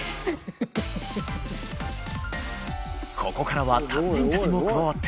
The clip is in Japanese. ここからは達人たちも加わって）